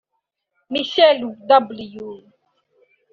Michael W